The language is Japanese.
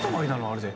あれで。